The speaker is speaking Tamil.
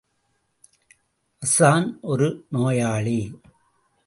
ஹஸ்ஸான் ஒரு நோயாளி.